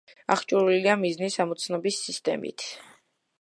აღჭურვილია მიზნის ამოცნობის სისტემით.